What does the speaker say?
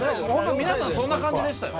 皆さんそんな感じでしたよ。